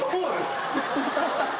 ハハハ。